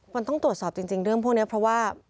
มันต้องตรวจสอบจริงเรื่องพวกนี้เพราะว่า